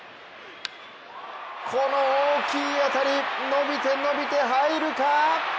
この大きい当たり、伸びて伸びて入るか？